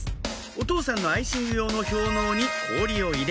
お父さんのアイシング用の氷のうに氷を入れ